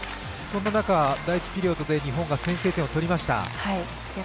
そんな中、第１ピリオドで日本が先制点を取りました。